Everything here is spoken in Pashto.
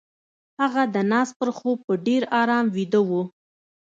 هغه د ناز پر خوب په ډېر آرام ويده وه.